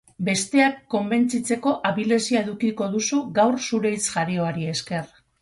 Besteak konbentzitzeko abilezia edukiko duzu gaur zure hitz jarioari esker.